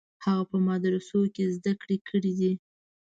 هغه په مدرسو کې زده کړې کړې دي.